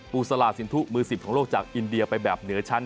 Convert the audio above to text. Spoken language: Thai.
สลาสินทุมือ๑๐ของโลกจากอินเดียไปแบบเหนือชั้น